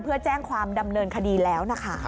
เพื่อแจ้งความดำเนินคดีแล้วนะคะ